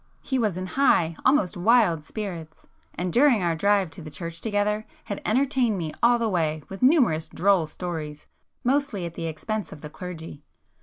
He was in high, almost wild spirits,—and, during our drive to the church together, had entertained me all the way with numerous droll stories, mostly at the expense of the clergy.